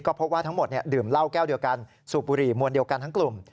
พบว่าทั้งหมดดื่มเหล้าแก้วเดียวกันสูบบุหรี่มวลเดียวกันทั้งกลุ่ม